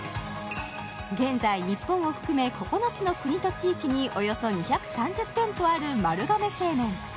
現在、日本を含め９つの国と地域におよそ２３０店舗ある丸亀製麺。